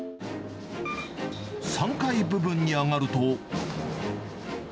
３階部分に上がると。